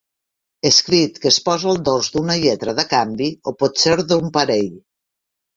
Escrit que es posa al dors d'una lletra de canvi, o potser d'un parell.